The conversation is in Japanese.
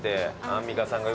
アンミカが。